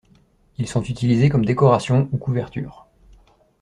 Ils sont utilisés comme décoration ou couverture.